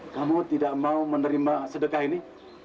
kamu tidak mau menerima sedekah ini